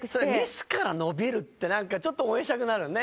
ミスから伸びるってなんかちょっと応援したくなるね。